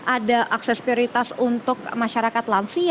ada akses prioritas untuk masyarakat lansia